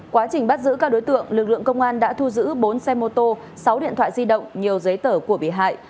quá trình bắt giữ các đối tượng lực lượng công an đã thu giữ bốn xe mô tô sáu điện thoại di động nhiều giấy tờ của bị hại